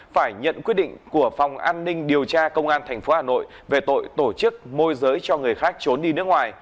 phải nhận quyết định của phòng an ninh điều tra công an tp hà nội về tội tổ chức môi giới cho người khác trốn đi nước ngoài